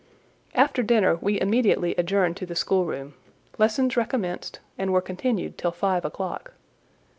After dinner, we immediately adjourned to the schoolroom: lessons recommenced, and were continued till five o'clock.